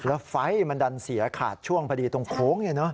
แล้วไฟมันดันเสียขาดช่วงพอดีตรงโค้งเนี่ยเนอะ